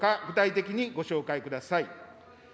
具体的にご紹介ください。